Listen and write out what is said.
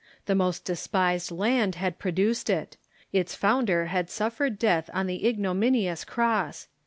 The most despised land had produced it. Its founder had suffered death on the ignominious cross.